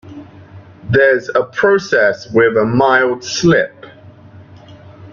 There's a process with a mild slip.